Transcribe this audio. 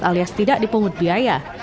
alias tidak dipungut biaya